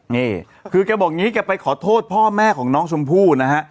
นี่คือแกบอกอย่างนี้แกไปขอโทษพ่อแม่ของน้องชมพู่นะฮะ